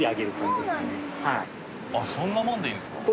そんなもんでいいんですか。